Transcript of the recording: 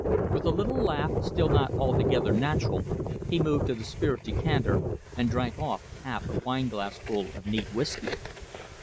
With a little laugh, still not altogether natural, he moved to the spirit decanter and drank off half a wineglassful of neat whisky!